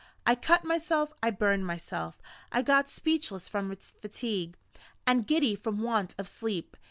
I cut myself, I burned myself, I got speechless from fatigue, and giddy from want of sleep.